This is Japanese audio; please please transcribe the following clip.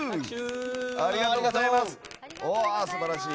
素晴らしい。